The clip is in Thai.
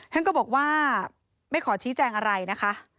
ท่านก็บอกว่าไม่ขอชี้แจงอะไรนะคะ